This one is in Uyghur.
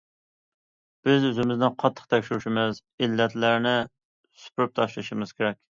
بىز ئۆزىمىزنى قاتتىق تەكشۈرۈشىمىز، ئىللەتلەرنى سۈپۈرۈپ تاشلىشىمىز كېرەك.